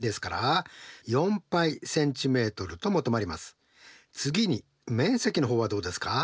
例えば次に面積の方はどうですか？